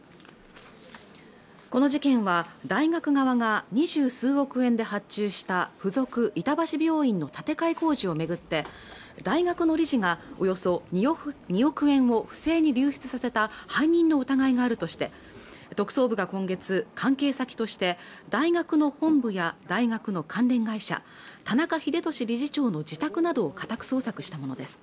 この事件は大学側が二十数億円で発注した附属板橋病院の建て替え工事を巡って大学の理事がおよそ２億円を不正に流出させた背任の疑いがあるとして特捜部が今月関係先として大学の本部や大学の関連会社田中英寿理事長の自宅などを家宅捜索したものです